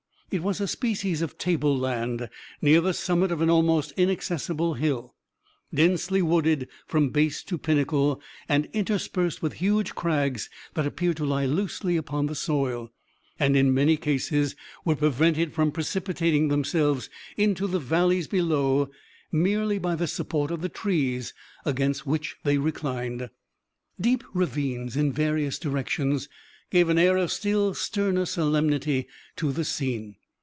It was a species of table land, near the summit of an almost inaccessible hill, densely wooded from base to pinnacle, and interspersed with huge crags that appeared to lie loosely upon the soil, and in many cases were prevented from precipitating themselves into the valleys below, merely by the support of the trees against which they reclined. Deep ravines, in various directions, gave an air of still sterner solemnity to the scene.